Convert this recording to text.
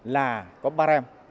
là có ba em